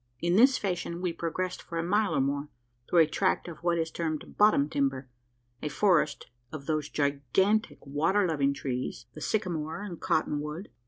In this fashion we progressed for a mile or more, through a tract of what is termed "bottom timber" a forest of those gigantic water loving trees the sycamore and cotton wood.